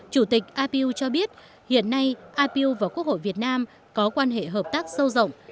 chủ tịch ipu cho biết hiện nay apiu và quốc hội việt nam có quan hệ hợp tác sâu rộng